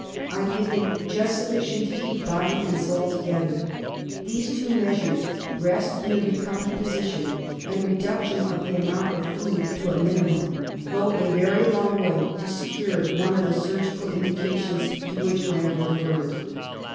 I give him just sufficient to keep body and soul together. These two measures — rest in the recumbent position and reduction of the amount of food to a minimum — go a very long way to secure one of the surgical indications to which I have referred.